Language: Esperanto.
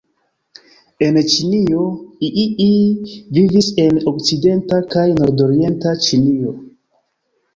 En Ĉinio iii vivis en okcidenta kaj nordorienta Ĉinio.